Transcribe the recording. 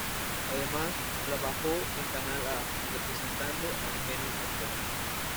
Además, trabajó en "Canal a", representando a un genio actoral.